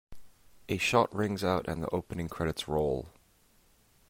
A shot rings out and the opening credits roll.